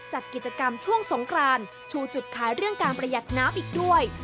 จัดกิจกรรมช่วงสงครานชูจุดขายเรื่องการประหยัดน้ำอีกด้วย